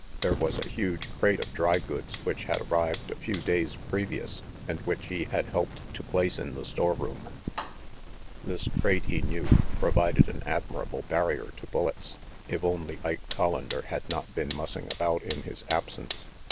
There was a huge crate of dry goods which had arrived a few days previous and which he had helped to place in the storeroom. This crate, he knew, provided an admirable barrier to bullets, if only Ike Collander had not been mussing about in his absence.